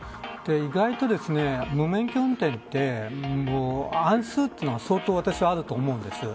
意外と無免許運転って案数というのが相当、私はあると思うんです。